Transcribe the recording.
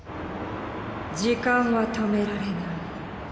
時間は止められない。